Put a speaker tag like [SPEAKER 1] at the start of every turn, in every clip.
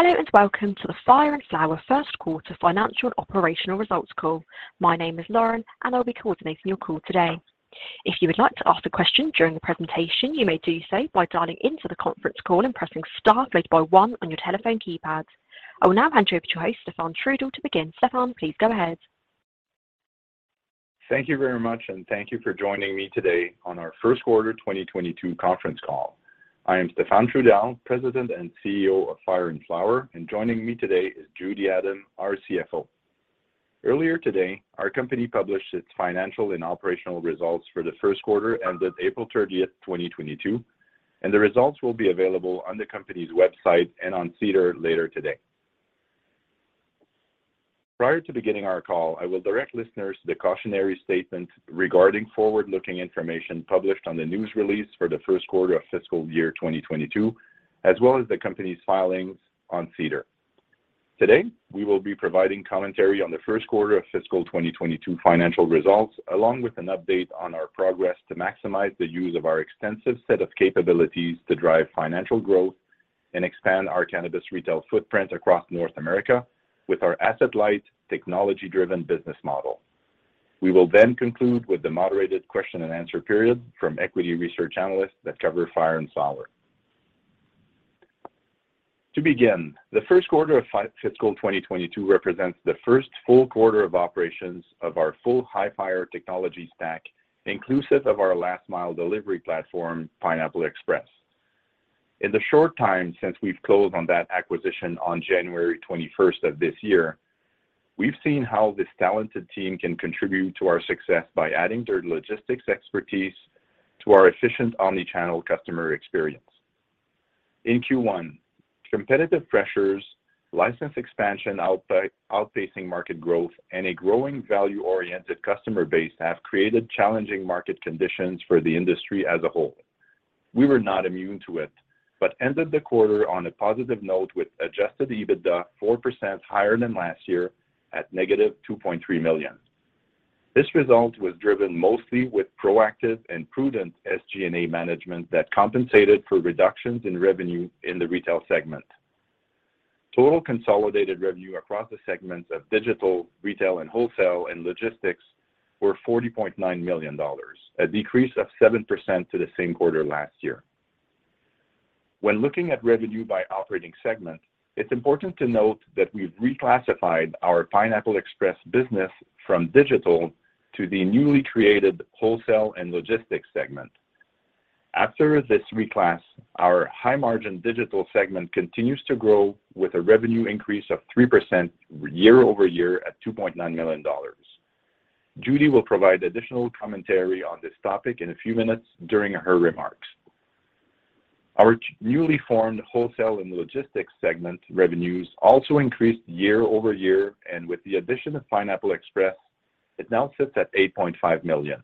[SPEAKER 1] Hello. Welcome to the Fire & Flower First Quarter Financial and Operational Results Call. My name is Lauren, and I'll be coordinating your call today. If you would like to ask a question during the presentation, you may do so by dialing into the conference call and pressing star followed by one on your telephone keypad. I will now hand you over to your host, Stéphane Trudel, to begin. Stéphane, please go ahead.
[SPEAKER 2] Thank you very much. Thank you for joining me today on our first quarter 2022 conference call. I am Stéphane Trudel, President and CEO of Fire & Flower. Joining me today is Judy Adam, our CFO. Earlier today, our company published its financial and operational results for the first quarter ended April 30th, 2022. The results will be available on the company's website and on SEDAR later today. Prior to beginning our call, I will direct listeners to the cautionary statement regarding forward-looking information published on the news release for the first quarter of fiscal year 2022, as well as the company's filings on SEDAR. Today, we will be providing commentary on the first quarter of fiscal 2022 financial results, along with an update on our progress to maximize the use of our extensive set of capabilities to drive financial growth and expand our cannabis retail footprint across North America with our asset-light, technology-driven business model. We will conclude with the moderated question and answer period from equity research analysts that cover Fire & Flower. To begin, the first quarter of fiscal 2022 represents the first full quarter of operations of our full Hifyre technology stack, inclusive of our last mile delivery platform, Pineapple Express. In the short time since we've closed on that acquisition on January 21st of this year, we've seen how this talented team can contribute to our success by adding their logistics expertise to our efficient omni-channel customer experience. In Q1, competitive pressures, license expansion outpacing market growth, and a growing value-oriented customer base have created challenging market conditions for the industry as a whole. We were not immune to it, but ended the quarter on a positive note with adjusted EBITDA 4% higher than last year at -2.3 million. This result was driven mostly with proactive and prudent SG&A management that compensated for reductions in revenue in the retail segment. Total consolidated revenue across the segments of digital, retail, and wholesale, and logistics were 40.9 million dollars, a decrease of 7% to the same quarter last year. When looking at revenue by operating segment, it's important to note that we've reclassified our Pineapple Express business from digital to the newly created wholesale and logistics segment. After this reclass, our high-margin digital segment continues to grow with a revenue increase of 3% year-over-year at 2.9 million dollars. Judy will provide additional commentary on this topic in a few minutes during her remarks. Our newly formed wholesale and logistics segment revenues also increased year-over-year, with the addition of Pineapple Express, it now sits at 8.5 million.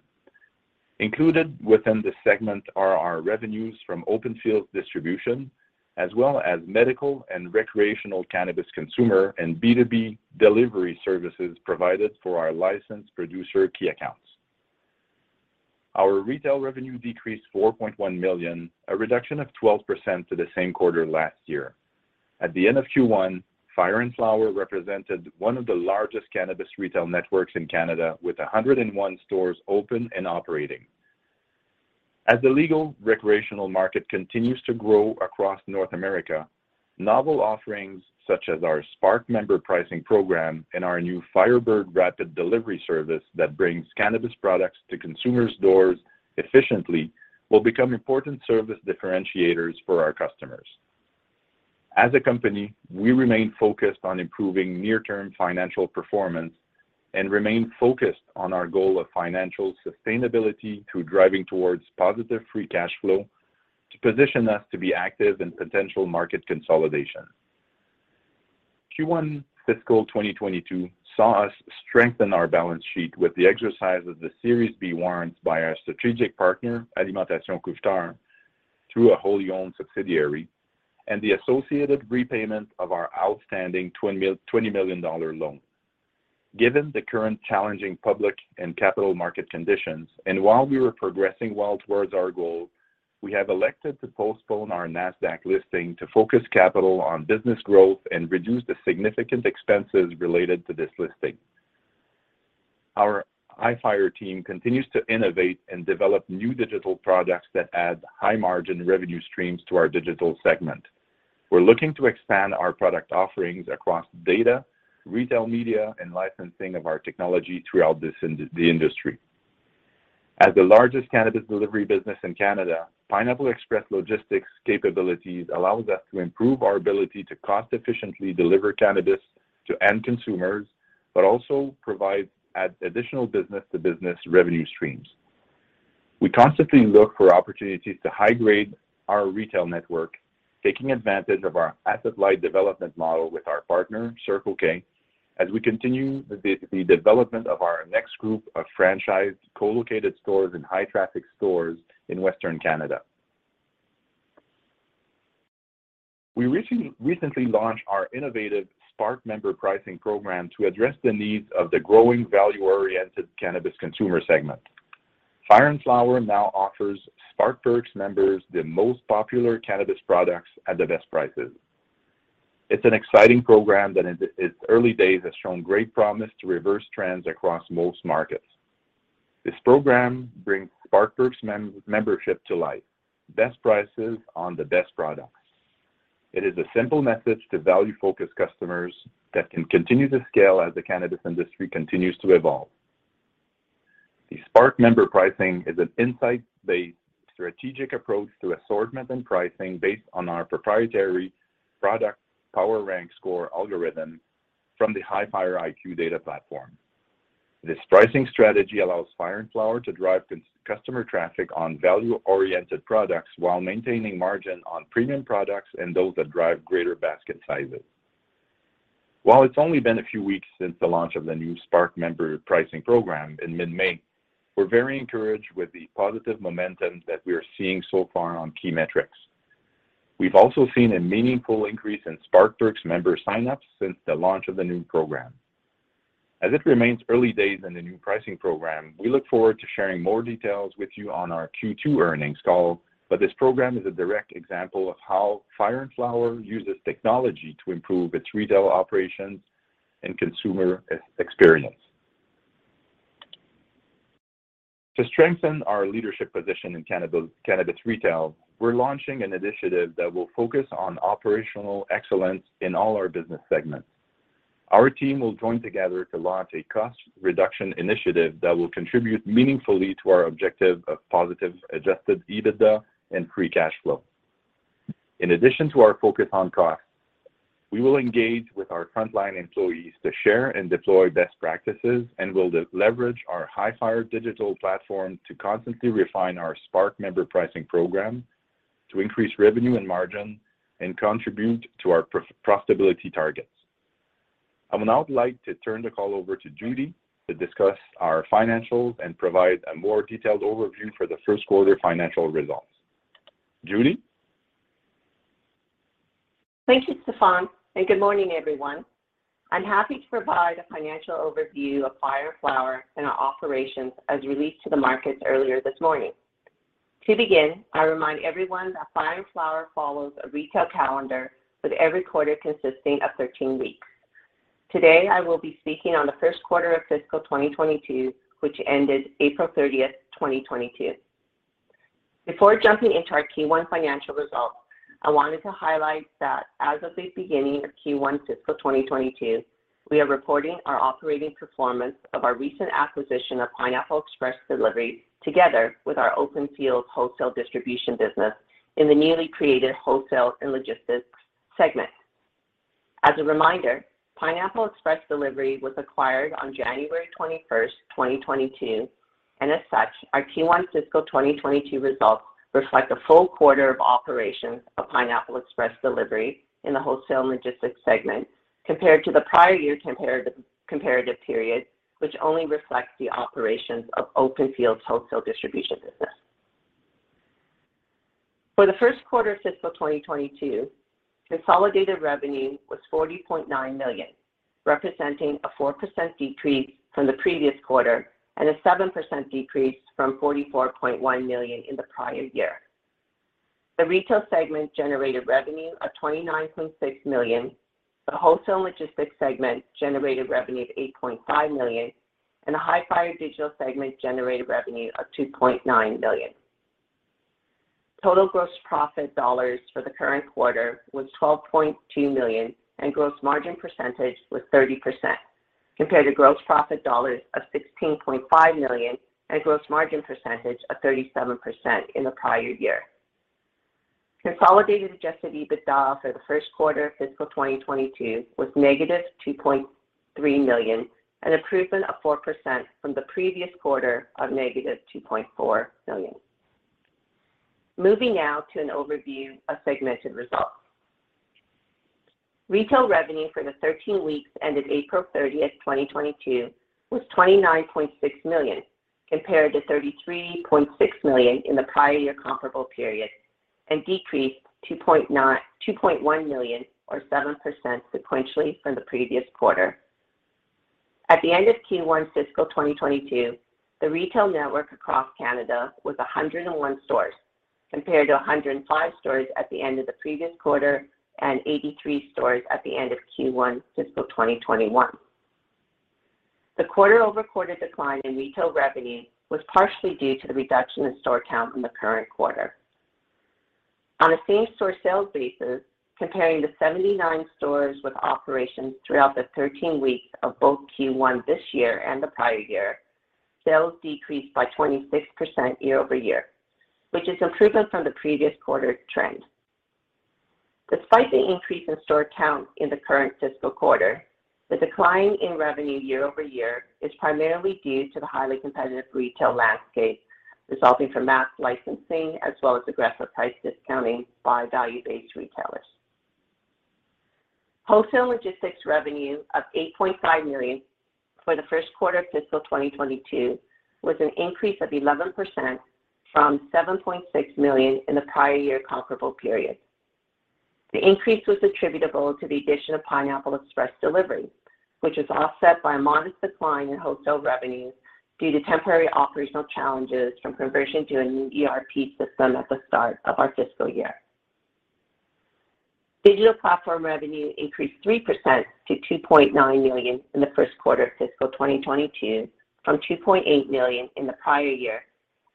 [SPEAKER 2] Included within this segment are our revenues from Open Fields Distribution, as well as medical and recreational cannabis consumer and B2B delivery services provided for our licensed producer key accounts. Our retail revenue decreased 4.1 million, a reduction of 12% to the same quarter last year. At the end of Q1, Fire & Flower represented one of the largest cannabis retail networks in Canada with 101 stores open and operating. As the legal recreational market continues to grow across North America, novel offerings such as our Spark member pricing program and our new Firebird rapid delivery service that brings cannabis products to consumers' doors efficiently will become important service differentiators for our customers. As a company, we remain focused on improving near-term financial performance and remain focused on our goal of financial sustainability through driving towards positive free cash flow to position us to be active in potential market consolidation. Q1 fiscal 2022 saw us strengthen our balance sheet with the exercise of the Series B Warrants by our strategic partner, Alimentation Couche-Tard, through a wholly-owned subsidiary and the associated repayment of our outstanding 20 million dollar loan. Given the current challenging public and capital market conditions, and while we were progressing well towards our goal, we have elected to postpone our Nasdaq listing to focus capital on business growth and reduce the significant expenses related to this listing. Our Hifyre team continues to innovate and develop new digital products that add high-margin revenue streams to our digital segment. We're looking to expand our product offerings across data, retail media, and licensing of our technology throughout the industry. As the largest cannabis delivery business in Canada, Pineapple Express logistics capabilities allows us to improve our ability to cost efficiently deliver cannabis to end consumers, but also add additional business-to-business revenue streams. We constantly look for opportunities to high-grade our retail network, taking advantage of our asset-light development model with our partner, Circle K, as we continue the development of our next group of franchised co-located stores and high-traffic stores in Western Canada. We recently launched our innovative Spark member pricing program to address the needs of the growing value-oriented cannabis consumer segment. Fire & Flower now offers Spark Perks members the most popular cannabis products at the best prices. It's an exciting program that in its early days has shown great promise to reverse trends across most markets. This program brings Spark Perks membership to life. Best prices on the best products. It is a simple message to value-focused customers that can continue to scale as the cannabis industry continues to evolve. The Spark member pricing is an insight-based strategic approach to assortment and pricing based on our proprietary Product Power Rank Score algorithm from the Hifyre IQ data platform. This pricing strategy allows Fire & Flower to drive customer traffic on value-oriented products while maintaining margin on premium products and those that drive greater basket sizes. While it's only been a few weeks since the launch of the new Spark member pricing program in mid-May, we're very encouraged with the positive momentum that we are seeing so far on key metrics. We've also seen a meaningful increase in Spark Perks member sign-ups since the launch of the new program. As it remains early days in the new pricing program, we look forward to sharing more details with you on our Q2 earnings call, but this program is a direct example of how Fire & Flower uses technology to improve its retail operations and consumer experience. To strengthen our leadership position in cannabis retail, we're launching an initiative that will focus on operational excellence in all our business segments. Our team will join together to launch a cost reduction initiative that will contribute meaningfully to our objective of positive adjusted EBITDA and free cash flow. In addition to our focus on costs, we will engage with our frontline employees to share and deploy best practices and will leverage our Hifyre Digital platform to constantly refine our Spark member pricing program to increase revenue and margin and contribute to our profitability targets. I would now like to turn the call over to Judy to discuss our financials and provide a more detailed overview for the first quarter financial results. Judy?
[SPEAKER 3] Thank you, Stéphane. Good morning, everyone. I'm happy to provide a financial overview of Fire & Flower and our operations as released to the markets earlier this morning. To begin, I remind everyone that Fire & Flower follows a retail calendar, with every quarter consisting of 13 weeks. Today, I will be speaking on the first quarter of fiscal 2022, which ended April 30th, 2022. Before jumping into our Q1 financial results, I wanted to highlight that as of the beginning of Q1 fiscal 2022, we are reporting our operating performance of our recent acquisition of Pineapple Express Delivery together with our Open Fields wholesale distribution business in the newly created wholesale and logistics segment. As a reminder, Pineapple Express Delivery was acquired on January 21st, 2022, and as such, our Q1 fiscal 2022 results reflect a full quarter of operations of Pineapple Express Delivery in the wholesale and logistics segment compared to the prior year comparative period, which only reflects the operations of Open Fields wholesale distribution business. For the first quarter of fiscal 2022, consolidated revenue was 40.9 million, representing a 4% decrease from the previous quarter and a 7% decrease from 44.1 million in the prior year. The retail segment generated revenue of 29.6 million, the wholesale and logistics segment generated revenue of 8.5 million, and the Hifyre Digital segment generated revenue of 2.9 million. Total gross profit dollars for the current quarter was 12.2 million, and gross margin percentage was 30%, compared to gross profit dollars of 16.5 million and gross margin percentage of 37% in the prior year. Consolidated adjusted EBITDA for the first quarter of fiscal 2022 was -2.3 million, an improvement of 4% from the previous quarter of -2.4 million. Moving now to an overview of segmented results. Retail revenue for the 13 weeks ended April 30th, 2022 was 29.6 million, compared to 33.6 million in the prior year comparable period, and decreased 2.1 million or 7% sequentially from the previous quarter. At the end of Q1 fiscal 2022, the retail network across Canada was 101 stores, compared to 105 stores at the end of the previous quarter and 83 stores at the end of Q1 fiscal 2021. The quarter-over-quarter decline in retail revenue was partially due to the reduction in store count in the current quarter. On a same-store sales basis, comparing the 79 stores with operations throughout the 13 weeks of both Q1 this year and the prior year, sales decreased by 26% year-over-year, which is improvement from the previous quarter trend. Despite the increase in store count in the current fiscal quarter, the decline in revenue year-over-year is primarily due to the highly competitive retail landscape, resulting from mass licensing as well as aggressive price discounting by value-based retailers. Wholesale and logistics revenue of 8.5 million for the first quarter of fiscal 2022 was an increase of 11% from 7.6 million in the prior year comparable period. The increase was attributable to the addition of Pineapple Express Delivery, which was offset by a modest decline in wholesale revenue due to temporary operational challenges from conversion to a new ERP system at the start of our fiscal year. Digital platform revenue increased 3% to 2.9 million in the first quarter of fiscal 2022 from 2.8 million in the prior year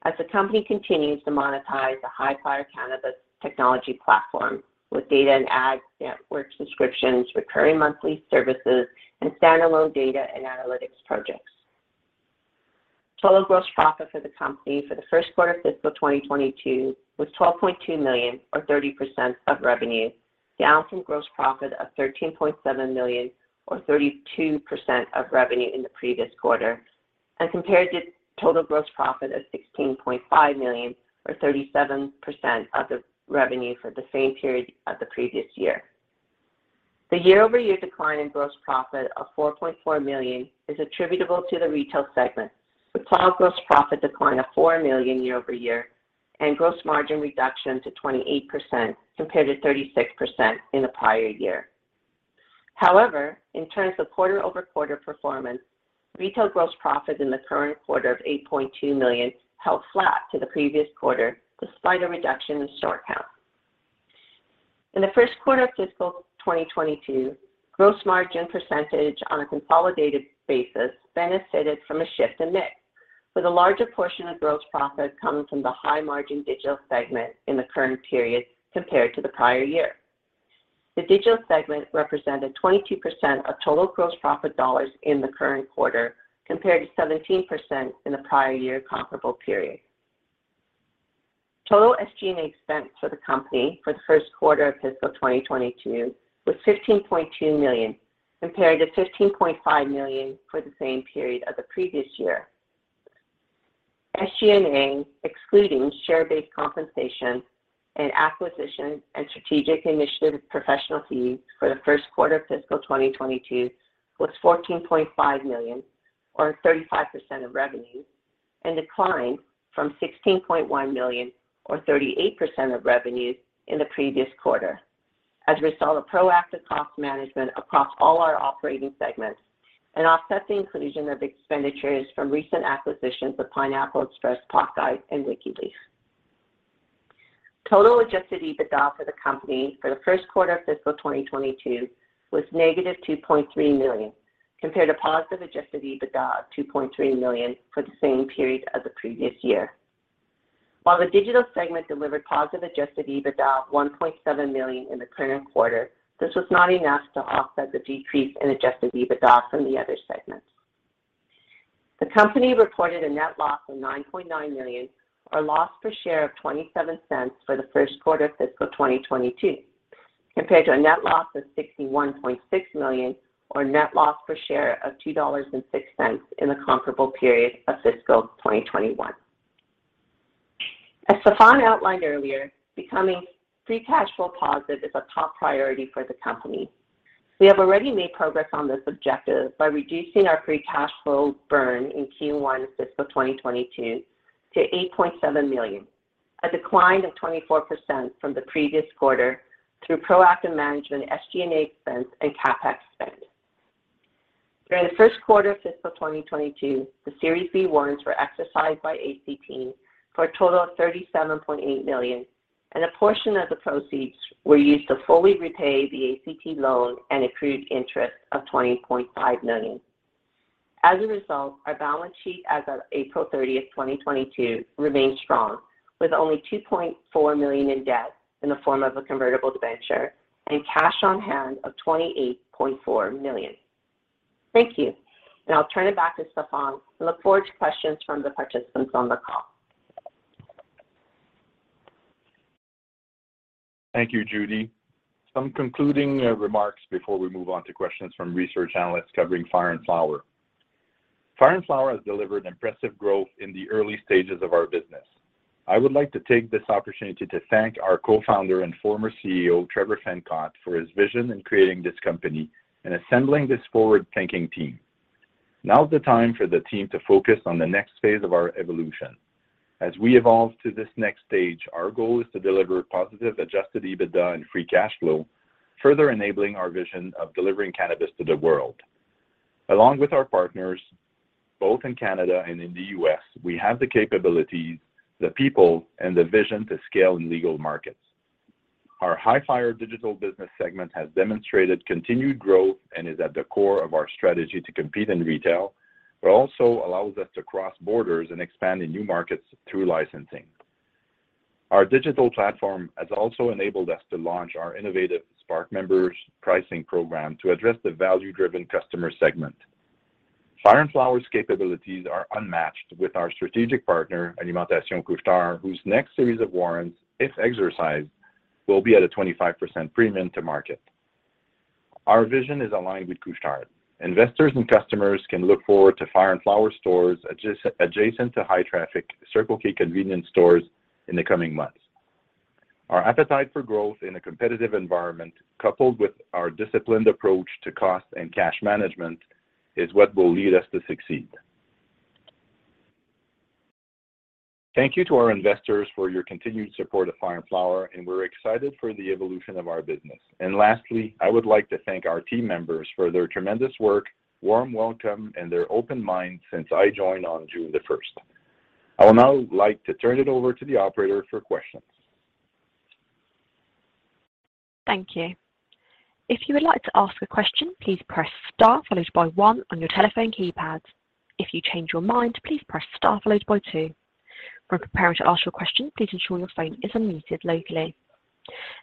[SPEAKER 3] as the company continues to monetize the Hifyre cannabis technology platform with data and ad network subscriptions, recurring monthly services, and standalone data and analytics projects. Total gross profit for the company for the first quarter of fiscal 2022 was 12.2 million or 30% of revenue, down from gross profit of 13.7 million or 32% of revenue in the previous quarter and compared to total gross profit of 16.5 million or 37% of the revenue for the same period of the previous year. The year-over-year decline in gross profit of 4.4 million is attributable to the retail segment, with cloud gross profit decline of 4 million year-over-year and gross margin reduction to 28% compared to 36% in the prior year. In terms of quarter-over-quarter performance, retail gross profit in the current quarter of 8.2 million held flat to the previous quarter despite a reduction in store count. In the first quarter of fiscal 2022, gross margin % on a consolidated basis benefited from a shift in mix, with a larger portion of gross profit coming from the high-margin digital segment in the current period compared to the prior year. The digital segment represented 22% of total gross profit dollars in the current quarter, compared to 17% in the prior year comparable period. Total SG&A expense for the company for the first quarter of fiscal 2022 was 15.2 million, compared to 15.5 million for the same period of the previous year. SG&A, excluding share-based compensation and acquisition and strategic initiative professional fees for the first quarter of fiscal 2022 was 14.5 million or 35% of revenue and declined from 16.1 million or 38% of revenue in the previous quarter as a result of proactive cost management across all our operating segments and offset the inclusion of expenditures from recent acquisitions of Pineapple Express, PotGuide, and Wikileaf. Total adjusted EBITDA for the company for the first quarter of fiscal 2022 was -2.3 million, compared to positive adjusted EBITDA of 2.3 million for the same period as the previous year. While the digital segment delivered positive adjusted EBITDA of 1.7 million in the current quarter, this was not enough to offset the decrease in adjusted EBITDA from the other segments. The company reported a net loss of 9.9 million or loss per share of 0.27 for the first quarter of fiscal 2022, compared to a net loss of 61.6 million or net loss per share of 2.06 dollars in the comparable period of fiscal 2021. As Stéphane outlined earlier, becoming free cash flow positive is a top priority for the company. We have already made progress on this objective by reducing our free cash flow burn in Q1 fiscal 2022 to 8.7 million, a decline of 24% from the previous quarter through proactive management SG&A expense and CapEx spend. During the first quarter of fiscal 2022, the Series B Warrants were exercised by ACT for a total of $37.8 million, and a portion of the proceeds were used to fully repay the ACT loan and accrued interest of $20.5 million. As a result, our balance sheet as of April 30, 2022 remains strong, with only $2.4 million in debt in the form of a convertible debenture and cash on hand of $28.4 million. Thank you. Now I'll turn it back to Stéphane and look forward to questions from the participants on the call.
[SPEAKER 2] Thank you, Judy. Concluding remarks before we move on to questions from research analysts covering Fire & Flower. Fire & Flower has delivered impressive growth in the early stages of our business. I would like to take this opportunity to thank our Co-Founder and former CEO, Trevor Fencott, for his vision in creating this company and assembling this forward-thinking team. Now's the time for the team to focus on the next phase of our evolution. We evolve to this next stage, our goal is to deliver positive adjusted EBITDA and free cash flow, further enabling our vision of delivering cannabis to the world. With our partners, both in Canada and in the U.S., we have the capabilities, the people, and the vision to scale in legal markets. Our Hifyre Digital business segment has demonstrated continued growth and is at the core of our strategy to compete in retail, also allows us to cross borders and expand in new markets through licensing. Our digital platform has also enabled us to launch our innovative Spark Members pricing program to address the value-driven customer segment. Fire & Flower's capabilities are unmatched with our strategic partner, Alimentation Couche-Tard, whose next series of warrants, if exercised, will be at a 25% premium to market. Our vision is aligned with Couche-Tard. Investors and customers can look forward to Fire & Flower stores adjacent to high-traffic Circle K convenience stores in the coming months. Our appetite for growth in a competitive environment, coupled with our disciplined approach to cost and cash management, is what will lead us to succeed. Thank you to our investors for your continued support of Fire & Flower, and we're excited for the evolution of our business. Lastly, I would like to thank our team members for their tremendous work, warm welcome, and their open minds since I joined on June the first. I will now like to turn it over to the operator for questions.
[SPEAKER 1] Thank you. If you would like to ask a question, please press star followed by one on your telephone keypad. If you change your mind, please press star followed by two. When preparing to ask your question, please ensure your phone is unmuted locally.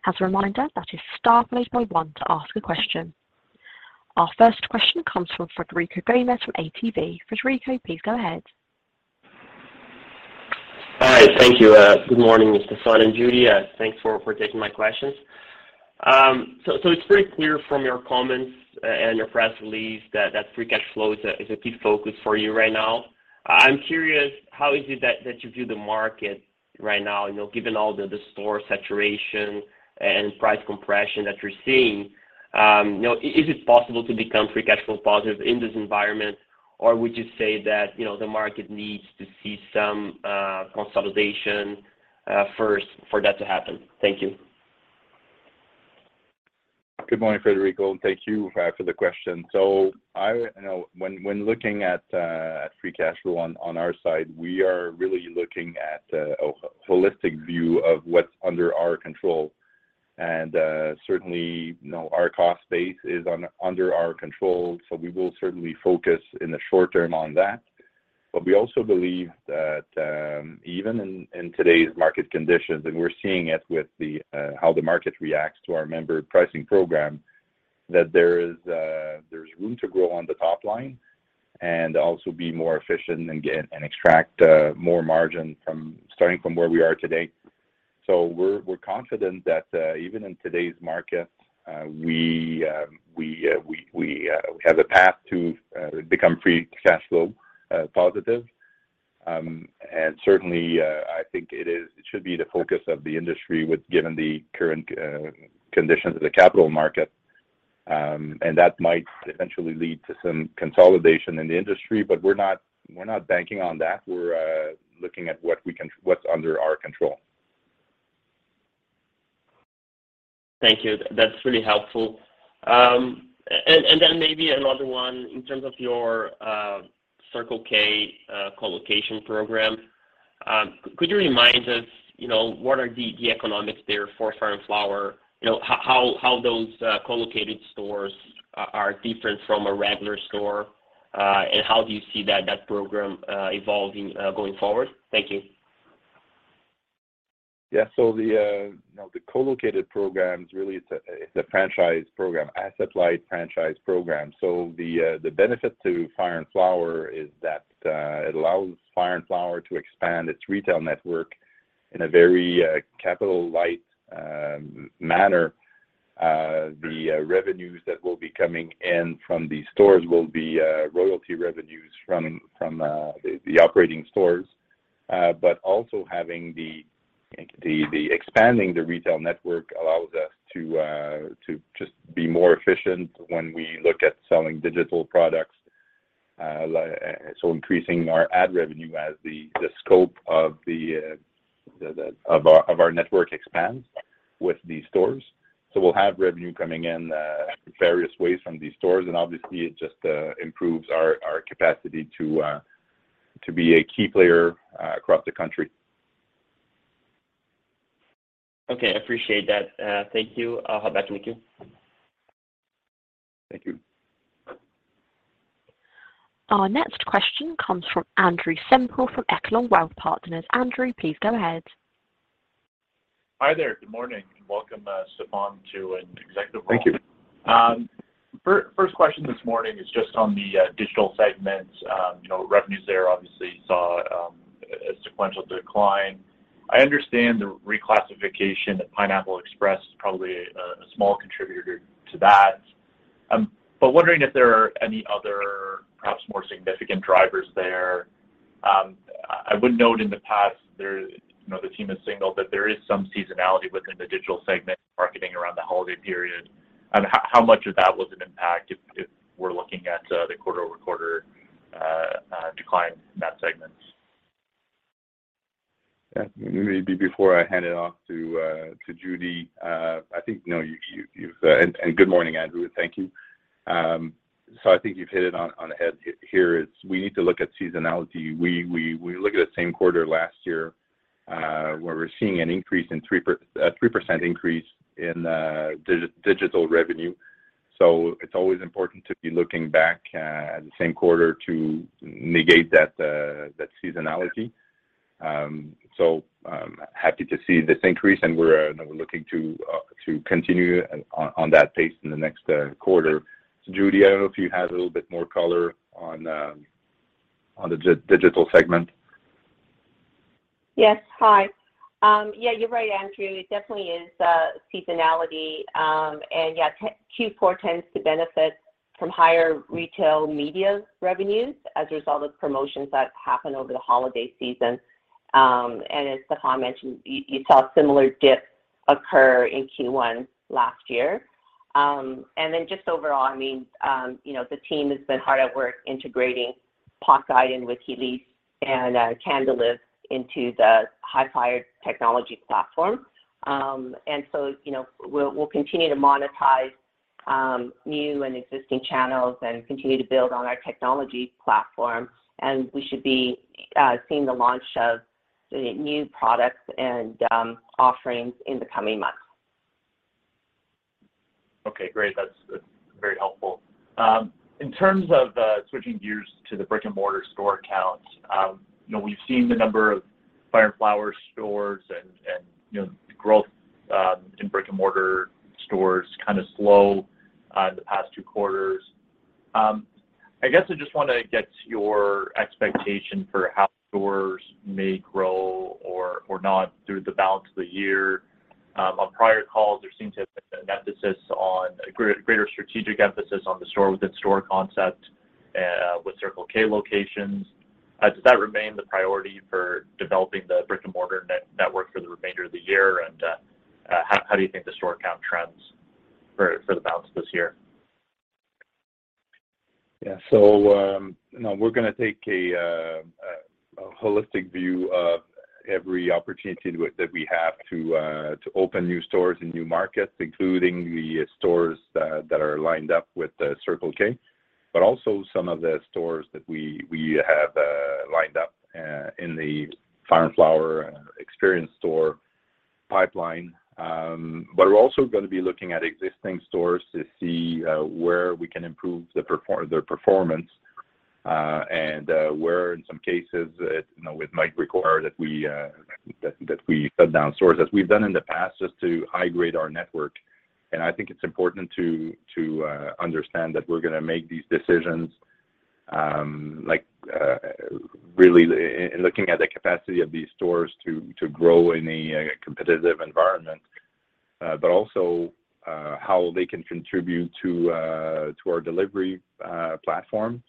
[SPEAKER 1] As a reminder, that is star followed by one to ask a question. Our first question comes from Frederico Gomes from ATB. Frederico, please go ahead.
[SPEAKER 4] Hi. Thank you. Good morning, Stéphane Trudel and Judy. Thanks for taking my questions. It's pretty clear from your comments and your press release that free cash flow is a key focus for you right now. I'm curious, how is it that you view the market right now, you know, given all the store saturation and price compression that you're seeing, you know, is it possible to become free cash flow positive in this environment, or would you say that, you know, the market needs to see some consolidation first for that to happen? Thank you.
[SPEAKER 2] Good morning, Frederico, and thank you for the question. I, you know, when looking at free cash flow on our side, we are really looking at a holistic view of what's under our control. Certainly, you know, our cost base is under our control, so we will certainly focus in the short term on that. We also believe that, even in today's market conditions, and we're seeing it with the how the market reacts to our member pricing program, that there is, there's room to grow on the top line and also be more efficient and get, and extract, more margin from starting from where we are today. We're confident that, even in today's market, we have a path to become free cash flow positive. Certainly, I think it should be the focus of the industry with, given the current conditions of the capital market, and that might eventually lead to some consolidation in the industry. We're not banking on that. We're looking at what we can, what's under our control.
[SPEAKER 4] Thank you. That's really helpful. Then maybe another one. In terms of your Circle K co-location program, could you remind us, you know, what are the economics there for Fire & Flower? You know, how those co-located stores are different from a regular store, and how do you see that program evolving going forward? Thank you.
[SPEAKER 2] The you know, the co-located program is really, it's a, it's a franchise program, asset-light franchise program. The benefit to Fire & Flower is that it allows Fire & Flower to expand its retail network in a very capital-light manner. The revenues that will be coming in from these stores will be royalty revenues from the operating stores. Also having the expanding the retail network allows us to just be more efficient when we look at selling digital products. Increasing our ad revenue as the scope of the of our network expands with these stores. We'll have revenue coming in, various ways from these stores, and obviously it just improves our capacity to be a key player, across the country.
[SPEAKER 4] Okay. I appreciate that. Thank you. I'll hop back in the queue.
[SPEAKER 2] Thank you.
[SPEAKER 1] Our next question comes from Andrew Semple from Echelon Wealth Partners. Andrew, please go ahead.
[SPEAKER 5] Hi there. Good morning, and welcome, Stéphane, to an executive role.
[SPEAKER 2] Thank you.
[SPEAKER 5] First question this morning is just on the digital segment. You know, revenues there obviously saw a sequential decline. I understand the reclassification at Pineapple Express is probably a small contributor to that, but wondering if there are any other perhaps more significant drivers there. I would note in the past there, you know, the team has signaled that there is some seasonality within the digital segment marketing around the holiday period, and how much of that was an impact if we're looking at the quarter-over-quarter decline in that segment?
[SPEAKER 2] Yeah. Maybe before I hand it off to Judy, I think, you know, you've. Good morning, Andrew. Thank you. I think you've hit it on the head here is we need to look at seasonality. We look at the same quarter last year, where we're seeing an increase in a 3% increase in digital revenue. It's always important to be looking back at the same quarter to negate that seasonality. I'm happy to see this increase, and we're, you know, we're looking to continue on that pace in the next quarter. Judy, I don't know if you have a little bit more color on the digital segment.
[SPEAKER 3] Yes. Hi. You're right, Andrew. It definitely is seasonality. Q4 tends to benefit from higher retail media revenues as a result of promotions that happen over the holiday season. As Stéphane mentioned, you saw a similar dip occur in Q1 last year. The team has been hard at work integrating PotGuide and Wikileaf and Cannalyst into the Hifyre technology platform. We'll continue to monetize new and existing channels and continue to build on our technology platform, and we should be seeing the launch of new products and offerings in the coming months.
[SPEAKER 5] Okay, great. That's very helpful. In terms of switching gears to the brick-and-mortar store counts, you know, we've seen the number of Fire & Flower stores and, you know, growth in brick-and-mortar stores kind of slow the past two quarters. I guess I just wanna get your expectation for how stores may grow or not through the balance of the year. On prior calls there seemed to have been an emphasis on a greater strategic emphasis on the store with its store concept and with Circle K locations. Does that remain the priority for developing the brick-and-mortar network for the remainder of the year, and how do you think the store count trends for the balance of this year?
[SPEAKER 2] you know, we're gonna take a holistic view of every opportunity that we have to open new stores in new markets, including the stores that are lined up with the Circle K, but also some of the stores that we have lined up in the Fire & Flower experience store pipeline. We're also gonna be looking at existing stores to see where we can improve their performance, and where in some cases it, you know, it might require that we shut down stores as we've done in the past just to high grade our network. I think it's important to understand that we're gonna make these decisions, like, really looking at the capacity of these stores to grow in a competitive environment, but also how they can contribute to our delivery platform.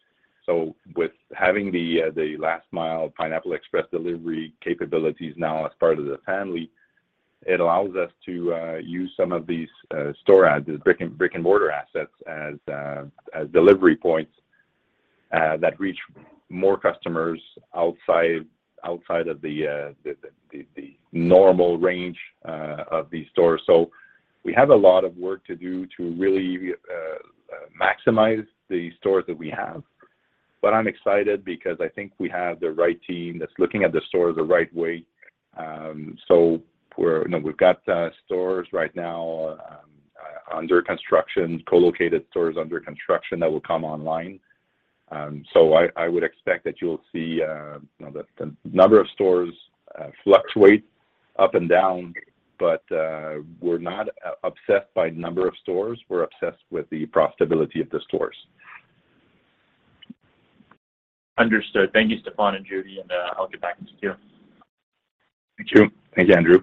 [SPEAKER 2] With having the last mile Pineapple Express delivery capabilities now as part of the family, it allows us to use some of these store ads, the brick-and-mortar assets as delivery points that reach more customers outside of the normal range of these stores. We have a lot of work to do to really maximize the stores that we have, but I'm excited because I think we have the right team that's looking at the stores the right way. You know, we've got stores right now under construction, co-located stores under construction that will come online. I would expect that you'll see, you know, the number of stores fluctuate up and down, but we're not obsessed by number of stores, we're obsessed with the profitability of the stores.
[SPEAKER 5] Understood. Thank you, Stéphane and Judy, and, I'll get back to you.
[SPEAKER 2] Thank you. Thank you, Andrew.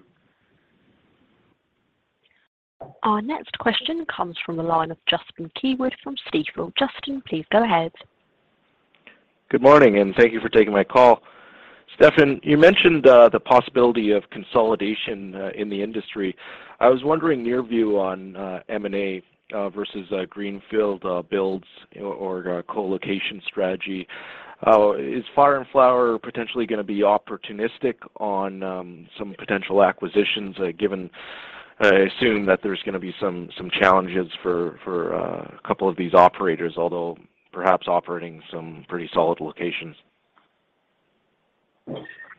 [SPEAKER 1] Our next question comes from the line of Justin Keywood from Stifel. Justin, please go ahead.
[SPEAKER 6] Good morning and thank you for taking my call. Stéphane, you mentioned the possibility of consolidation in the industry. I was wondering your view on M&A versus greenfield builds or co-location strategy. Is Fire & Flower potentially gonna be opportunistic on some potential acquisitions, given I assume that there's gonna be some challenges for a couple of these operators, although perhaps operating some pretty solid locations.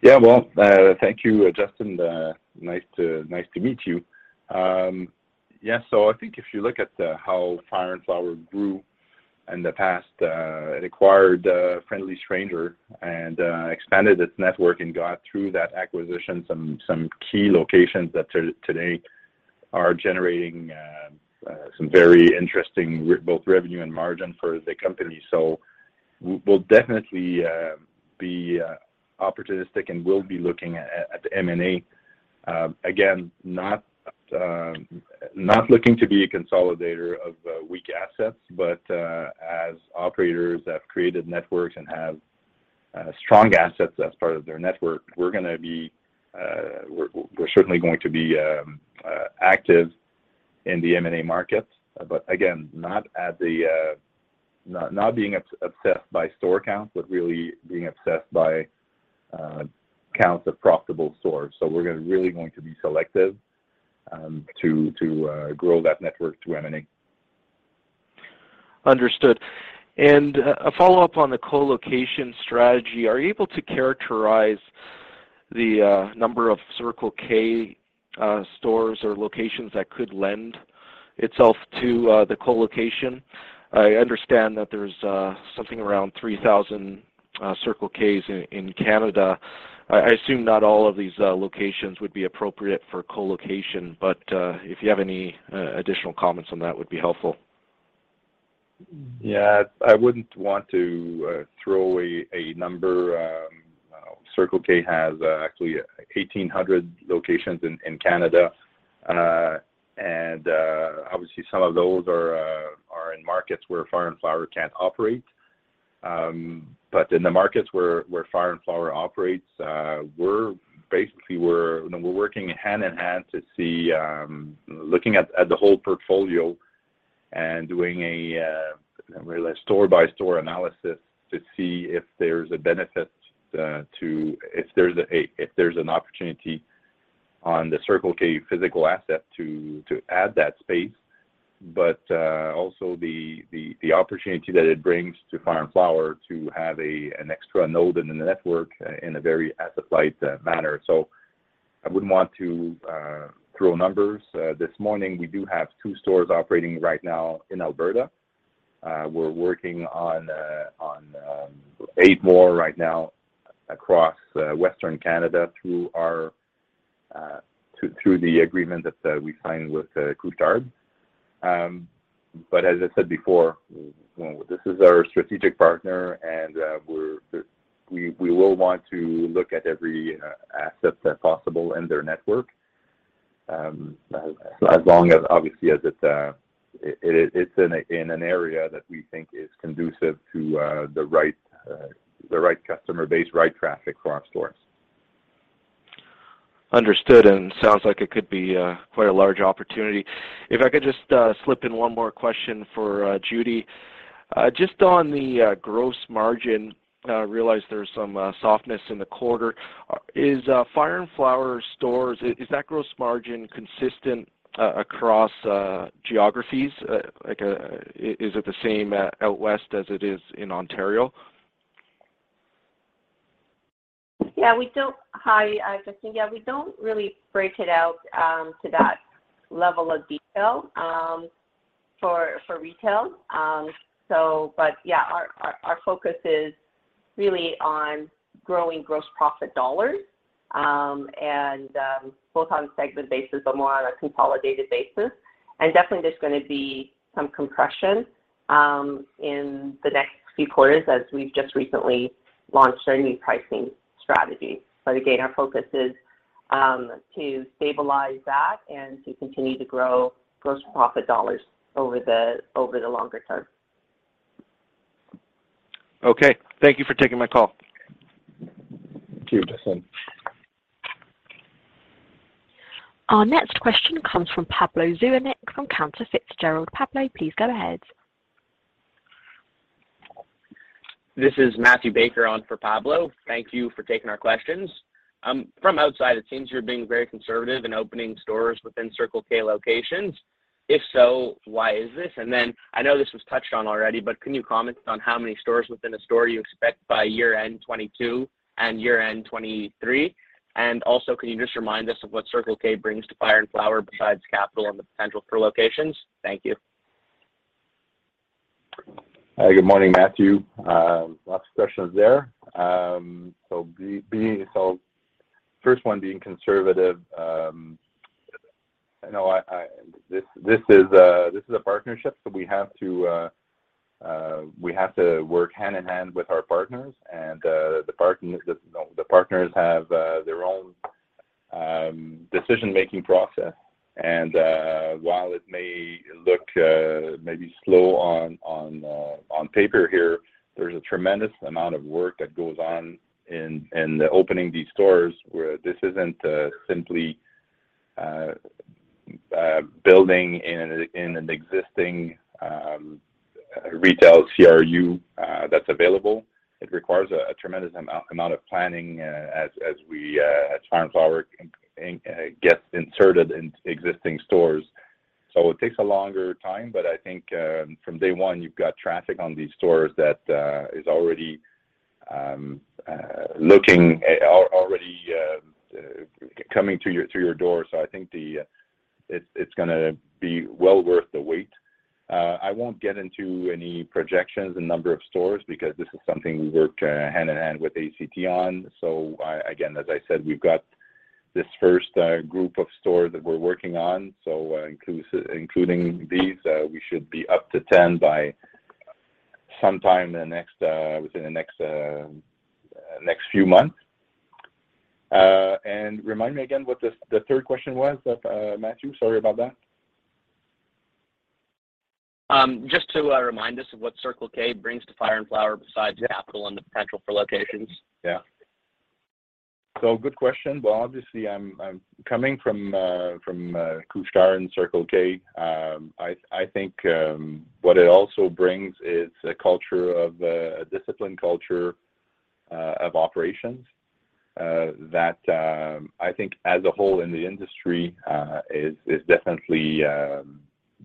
[SPEAKER 2] Yeah. Well, thank you, Justin. Nice to meet you. I think if you look at how Fire & Flower grew in the past, it acquired Friendly Stranger and expanded its network and got through that acquisition some key locations that today are generating some very interesting both revenue and margin for the company. We'll definitely be opportunistic and will be looking at the M&A. Again, not not looking to be a consolidator of weak assets, but as operators have created networks and have strong assets as part of their network, we're gonna be. We're certainly going to be active in the M&A markets, but again, not at the not being obsessed by store counts, but really being obsessed by counts of profitable stores. We're really going to be selective to grow that network through M&A.
[SPEAKER 6] Understood. A follow-up on the co-location strategy. Are you able to characterize the number of Circle K stores or locations that could lend itself to the co-location? I understand that there's something around 3,000 Circle K's in Canada. I assume not all of these locations would be appropriate for co-location, but if you have any additional comments on that would be helpful.
[SPEAKER 2] I wouldn't want to throw away a number. Circle K has actually 1,800 locations in Canada, and obviously some of those are Markets where Fire & Flower can't operate. In the markets where Fire & Flower operates, we're basically, you know, working hand in hand to see, looking at the whole portfolio and doing a really store by store analysis to see if there's a benefit if there's a, if there's an opportunity on the Circle K physical asset to add that space. Also the opportunity that it brings to Fire & Flower to have an extra node in the network in a very asset-light manner. I wouldn't want to throw numbers this morning. We do have two stores operating right now in Alberta. We're working on eight more right now across Western Canada through our, through the agreement that we signed with Couche-Tard. As I said before, you know, this is our strategic partner and we will want to look at every asset that's possible in their network. As long as obviously as it's in an area that we think is conducive to the right customer base, right traffic for our stores.
[SPEAKER 6] Understood. Sounds like it could be quite a large opportunity. If I could just slip in one more question for Judy. Just on the gross margin, realize there's some softness in the quarter. Is Fire & Flower stores, is that gross margin consistent across geographies? Like, is it the same out west as it is in Ontario?
[SPEAKER 3] Hi, Justin. Yeah, we don't really break it out to that level of detail for retail. But yeah, our focus is really on growing gross profit dollars and both on a segment basis but more on a consolidated basis. Definitely there's gonna be some compression in the next few quarters as we've just recently launched our new pricing strategy. Again, our focus is to stabilize that and to continue to grow gross profit dollars over the longer term.
[SPEAKER 6] Okay, thank you for taking my call.
[SPEAKER 2] Thank you, Justin.
[SPEAKER 1] Our next question comes from Pablo Zuanic from Canaccord Genuity. Pablo, please go ahead.
[SPEAKER 7] This is Matthew Baker on for Pablo. Thank you for taking our questions. From outside it seems you're being very conservative in opening stores within Circle K locations. If so, why is this? I know this was touched on already, but can you comment on how many stores within a store you expect by year end 2022 and year end 2023? Can you just remind us of what Circle K brings to Fire & Flower besides capital and the potential for locations? Thank you.
[SPEAKER 2] Hi. Good morning, Matthew. Lots of questions there. First one being conservative, you know, this is a partnership, so we have to work hand in hand with our partners and the partners, you know, the partners have their own decision making process and while it may look maybe slow on paper here, there's a tremendous amount of work that goes on in the opening these stores where this isn't simply building in an existing retail CRU that's available. It requires a tremendous amount of planning as we, as Fire & Flower gets inserted into existing stores. It takes a longer time, but I think from day one you've got traffic on these stores that is already looking already coming through your through your door. I think it's gonna be well worth the wait. I won't get into any projections and number of stores because this is something we work hand in hand with ACT on. Again, as I said, we've got this first group of stores that we're working on, so including these, we should be up to 10 by sometime the next within the next few months. And remind me again what the third question was, Matthew. Sorry about that.
[SPEAKER 7] Just to remind us of what Circle K brings to Fire & Flower besides capital and the potential for locations.
[SPEAKER 2] Good question. Well, obviously I'm coming from Couche-Tard and Circle K. I think what it also brings is a culture of a disciplined culture of operations that I think as a whole in the industry is definitely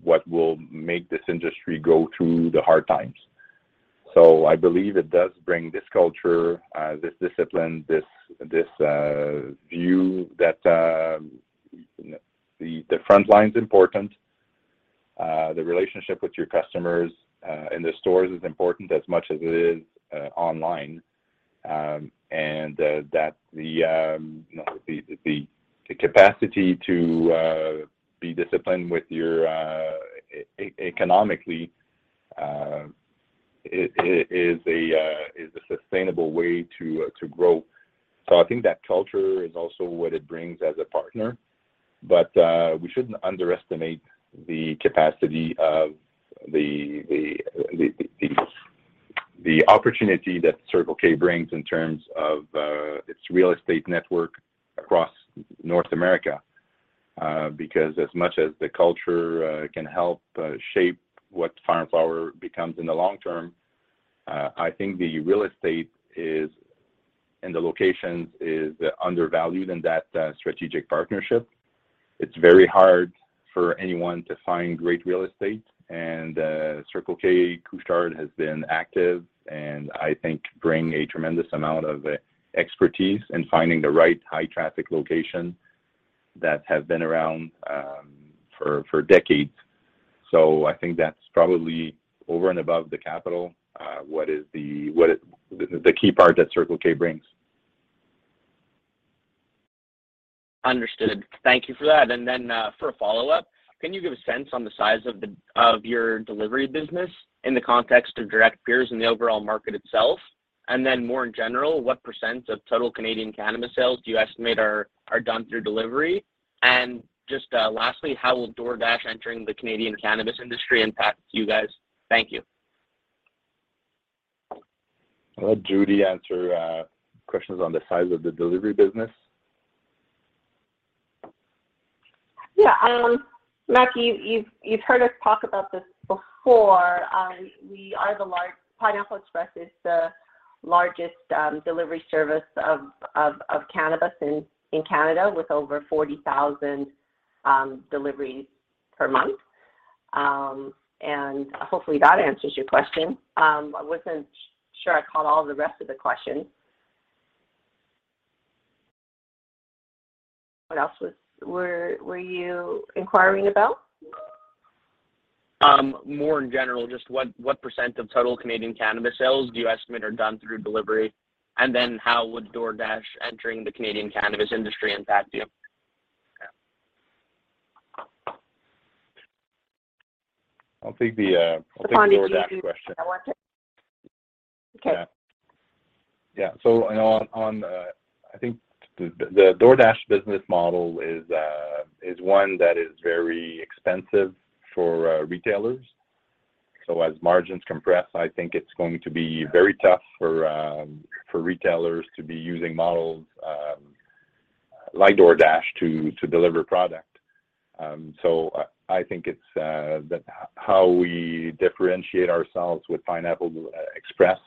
[SPEAKER 2] what will make this industry go through the hard times. I believe it does bring this culture, this discipline, this view that, you know, the frontline's important, the relationship with your customers in the stores is important as much as it is online. That the, you know, the capacity to be disciplined with your economically. It is a sustainable way to grow. I think that culture is also what it brings as a partner, but we shouldn't underestimate the capacity of the opportunity that Circle K brings in terms of its real estate network across North America. Because as much as the culture can help shape what Fire & Flower becomes in the long term, I think the real estate is, and the locations, is undervalued in that strategic partnership. It's very hard for anyone to find great real estate and Circle K Couche-Tard has been active, and I think bring a tremendous amount of expertise in finding the right high traffic location that has been around for decades. I think that's probably over and above the capital, what is the key part that Circle K brings.
[SPEAKER 7] Understood. Thank you for that. Then, for a follow-up, can you give a sense on the size of your delivery business in the context of direct peers in the overall market itself? Then more in general, what % of total Canadian cannabis sales do you estimate are done through delivery? Just, lastly, how will DoorDash entering the Canadian cannabis industry impact you guys? Thank you.
[SPEAKER 2] I'll let Judy answer, questions on the size of the delivery business.
[SPEAKER 3] Yeah. Matthew, you've heard us talk about this before. Pineapple Express is the largest delivery service of cannabis in Canada with over 40,000 deliveries per month. Hopefully that answers your question. I wasn't sure I caught all of the rest of the question. What else were you inquiring about?
[SPEAKER 7] More in general, just what % of total Canadian cannabis sales do you estimate are done through delivery? How would DoorDash entering the Canadian cannabis industry impact you?
[SPEAKER 2] Yeah. I'll take the DoorDash question.
[SPEAKER 3] If I need you can tell it to... Okay.
[SPEAKER 2] Yeah. Yeah. You know, on, I think the DoorDash business model is one that is very expensive for retailers. As margins compress, I think it's going to be very tough for retailers to be using models like DoorDash to deliver product. I think it's how we differentiate ourselves with Pineapple Express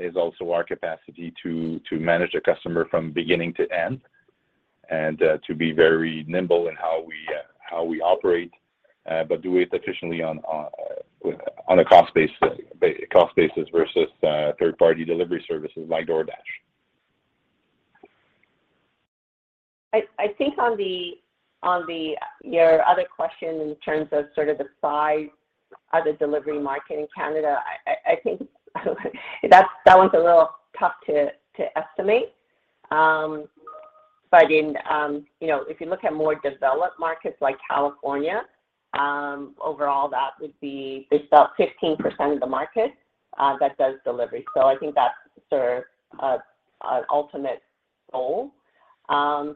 [SPEAKER 2] is also our capacity to manage a customer from beginning to end and to be very nimble in how we operate, but do it efficiently on with on a cost-basis versus third party delivery services like DoorDash.
[SPEAKER 3] I think on the, your other question in terms of sort of the size of the delivery market in Canada, I think that's, that one's a little tough to estimate. In, you know, if you look at more developed markets like California, overall that would be, it's about 15% of the market that does delivery. I think that's sort of an ultimate goal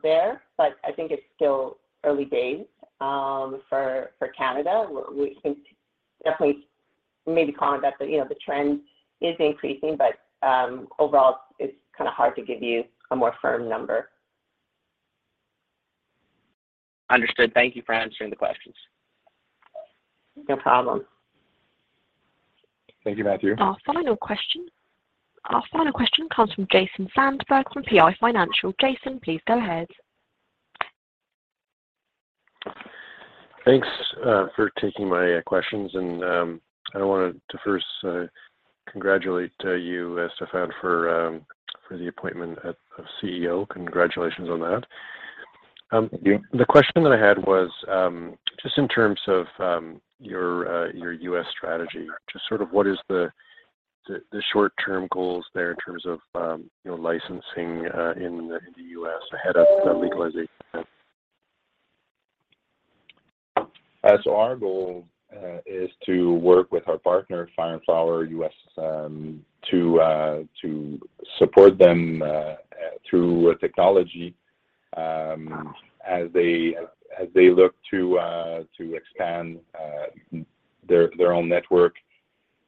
[SPEAKER 3] there. I think it's still early days for Canada. We think definitely maybe combat, but you know, the trend is increasing, but overall it's kinda hard to give you a more firm number.
[SPEAKER 7] Understood. Thank you for answering the questions.
[SPEAKER 3] No problem.
[SPEAKER 2] Thank you, Matthew.
[SPEAKER 1] Our final question comes from Jason Zandberg from PI Financial. Jason, please go ahead.
[SPEAKER 8] Thanks, for taking my questions and, I wanted to first, congratulate, you, Stéphane for the appointment at, of CEO. Congratulations on that.
[SPEAKER 2] Thank you.
[SPEAKER 8] The question that I had was, just in terms of, your U.S. strategy, just sort of what is the short-term goals there in terms of, you know, licensing, in the U.S. ahead of legalization?
[SPEAKER 2] So our goal is to work with our partner, Fire & Flower U.S., to support them through technology as they look to expand their own network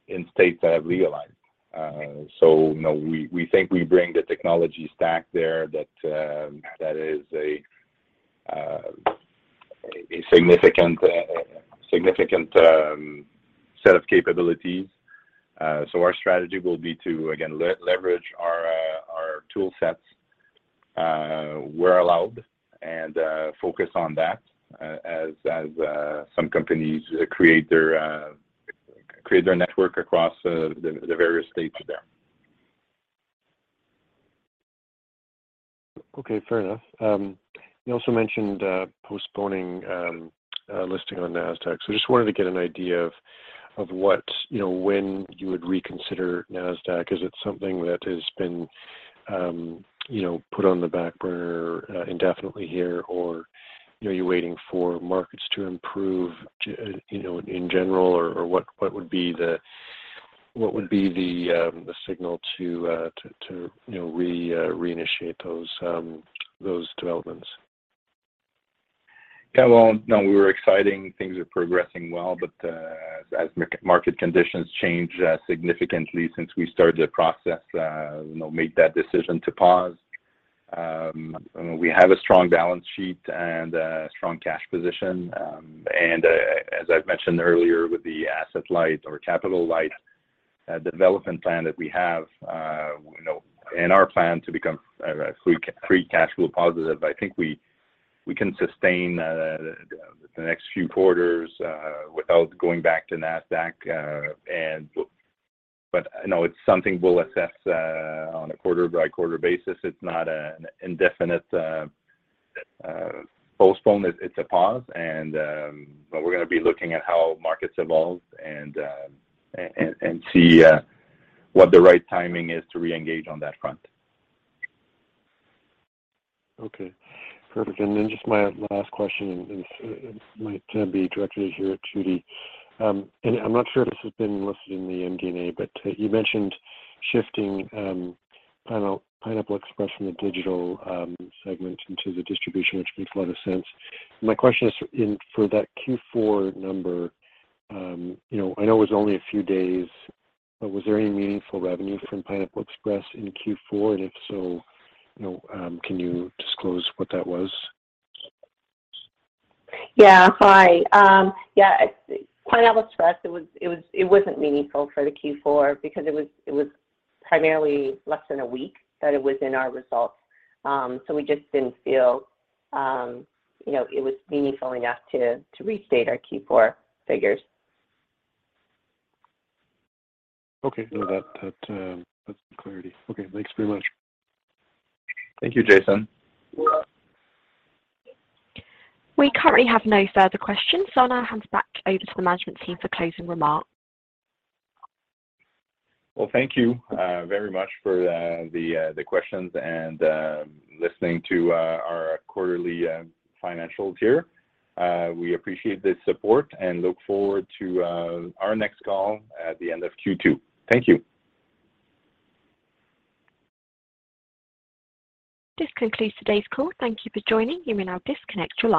[SPEAKER 2] in states that have legalized. You know, we think we bring the technology stack there that is a significant set of capabilities. Our strategy will be to again leverage our tool sets where allowed and focus on that as some companies create their network across the various states there
[SPEAKER 8] Okay. Fair enough. You also mentioned postponing listing on Nasdaq. So I just wanted to get an idea of what, you know, when you would reconsider Nasdaq. Is it something that has been, you know, put on the back burner indefinitely here, or, you know, you're waiting for markets to improve, you know, in general? Or, what would be the signal to, you know, re-initiate those developments?
[SPEAKER 2] Well, no, we were exciting. Things were progressing well. As market conditions changed significantly since we started the process, you know, made that decision to pause. We have a strong balance sheet and a strong cash position. As I've mentioned earlier with the asset-light or capital-light development plan that we have, you know, in our plan to become free cash flow positive, I think we can sustain the next few quarters without going back to Nasdaq. No, it's something we'll assess on a quarter-by-quarter basis. It's not an indefinite postpone. It's a pause and... We're gonna be looking at how markets evolve and see what the right timing is to reengage on that front.
[SPEAKER 8] Okay. Perfect. Just my last question, it might be directed here at Judy. I'm not sure if this has been listed in the MD&A, but you mentioned shifting Pineapple Express from the digital segment into the distribution, which makes a lot of sense. My question is for that Q4 number, you know, I know it was only a few days. Was there any meaningful revenue from Pineapple Express in Q4? If so, you know, can you disclose what that was?
[SPEAKER 3] Yeah. Hi. Yeah. Pineapple Express, it wasn't meaningful for the Q4 because it was primarily less than a week that it was in our results. We just didn't feel, you know, it was meaningful enough to restate our Q4 figures.
[SPEAKER 8] Okay. No, that's clarity. Okay. Thanks very much.
[SPEAKER 2] Thank you, Jason.
[SPEAKER 1] We currently have no further questions, so I'll now hand it back over to the management team for closing remarks.
[SPEAKER 2] Thank you very much for the questions and listening to our quarterly financials here. We appreciate the support and look forward to our next call at the end of Q2. Thank you.
[SPEAKER 1] This concludes today's call. Thank you for joining. You may now disconnect your line.